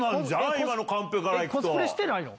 今のカンペから行くと。